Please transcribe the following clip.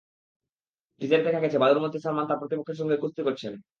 টিজারে দেখা যাচ্ছে, বালুর মধ্যে সালমান তাঁর প্রতিপক্ষের সঙ্গে কুস্তি করছেন।